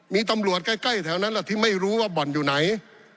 มีตำรวจใกล้แถวนั้นแหละที่ไม่รู้ว่าบ่อนอยู่ไหน